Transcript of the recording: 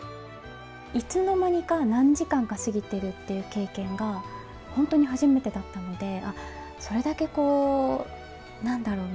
いつの間にか何時間か過ぎてるっていう経験がほんとに初めてだったのでそれだけこう何だろう